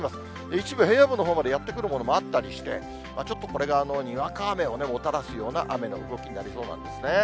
一部平野部のほうまでやって来るものまであったりして、ちょっとこれがにわか雨をもたらすような雨の動きになりそうなんですね。